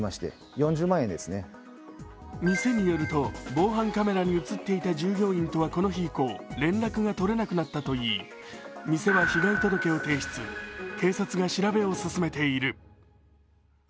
店によると防犯カメラに映っていた従業員とはこの日以降、連絡が取れなくなったといい店は被害届を提出、警察が調べを進めている。